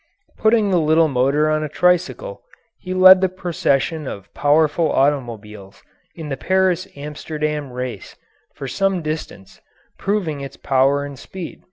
Putting the little motor on a tricycle, he led the procession of powerful automobiles in the Paris Amsterdam race for some distance, proving its power and speed.